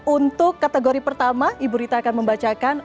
untuk kategori pertama ibu rita akan membacakan